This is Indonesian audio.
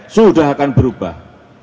sudah akan berubah